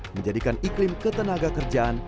menjadikan iklim ketenaga kerjaan